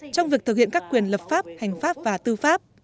trong việc thực hiện các quyền lập pháp hành pháp và tư pháp